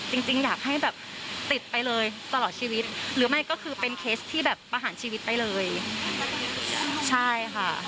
จริงอยากให้ฮอยแบบติดไปเลยสละชีวิตหรือเป็นเคสประหารชีวิตไปเลย